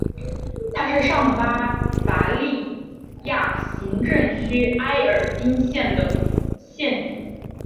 它是上巴伐利亚行政区埃尔丁县的县府。